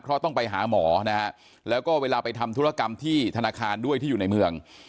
เพราะต้องไปหาหมอนะฮะแล้วก็เวลาไปทำธุรกรรมที่ธนาคารด้วยที่อยู่ในเมือง